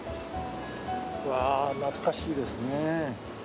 わあ懐かしいですね。